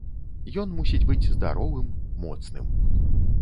Ён мусіць быць здаровым, моцным.